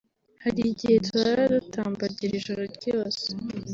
hari igihe turara dutambagira ijoro ryose